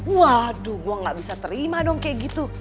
waduh gue gak bisa terima dong kayak gitu